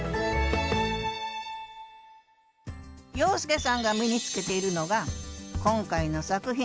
洋輔さんが身に着けているのが今回の作品。